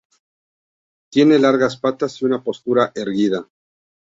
Tiene largas patas y una postura erguida.